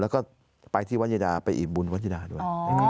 แล้วก็ไปที่วัดเยดาไปอิ่มบุญวัชิดาด้วย